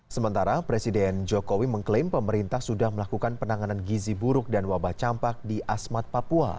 sementara presiden jokowi mengklaim pemerintah sudah melakukan penanganan gizi buruk dan wabah campak di asmat papua